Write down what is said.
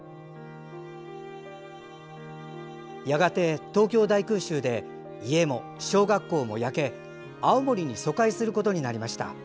やがて、東京大空襲で家も小学校も焼け、青森に疎開することになりました。